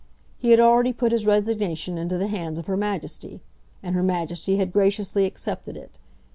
He had already put his resignation into the hands of Her Majesty, and Her Majesty had graciously accepted it.